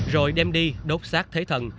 rồi đem đi đốt sát thế thần